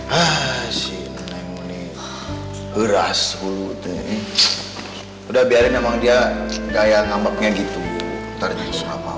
hai hasilnya ini beras udah udah biarin emang dia daya ngambeknya gitu terjaga